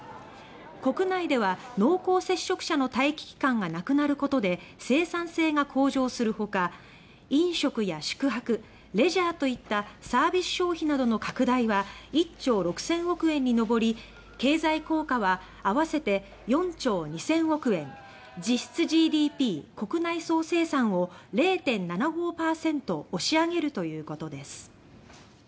国内では濃厚接触者の待機期間がなくなることで生産性が向上するほか飲食や宿泊、レジャーといったサービス消費などの拡大は１兆６千億円に上り経済効果は合わせて４兆２千億円実質ＧＤＰ・国内総生産を０・７５％押し上げるということです。